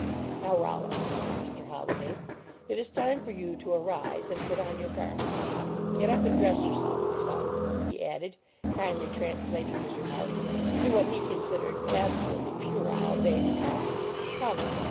"Now, Rollo," said Mr. Holliday, "it is time for you to arise and put on your gar ments. Get up and dress yourself , my son," he added, kindly translating his remark into what he considered absolutely puerile baby talk, "Come!